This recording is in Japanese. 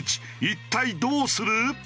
一体どうする？